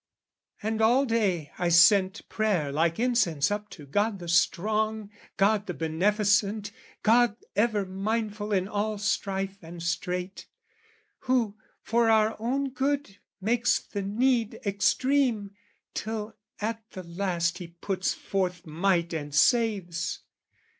And, all day, I sent prayer like incense up To God the strong, God the beneficent, God ever mindful in all strife and strait, Who, for our own good, makes the need extreme, Till at the last He puts forth might and saves.